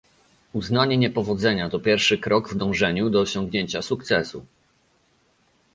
Uznanie niepowodzenia to pierwszy krok w dążeniu do osiągnięcia sukcesu